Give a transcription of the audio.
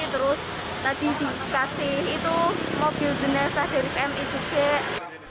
terus tadi dikasih itu mobil jenazah dari pmi juga